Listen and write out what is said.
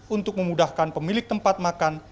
untuk memudahkan pemilik tempat makan